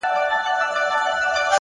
د سهار لومړۍ درز رڼا کوټه بدلوي!.